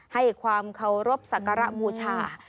ให้ความเคารพสักการะบูชา